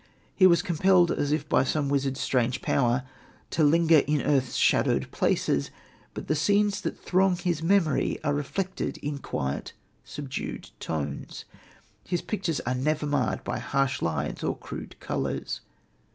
He was compelled as if by some wizard's strange power, to linger in earth's shadowed places; but the scenes that throng his memory are reflected in quiet, subdued tones. His pictures are never marred by harsh lines or crude colours.